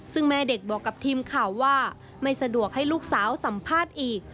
ซึ่งแม่เด็กบอกกับทีมข่าวว่าไม่สะดวกให้ลูกสาวสัมภาษณ์อีก